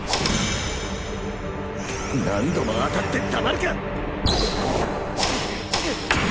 何度も当たってたまるか！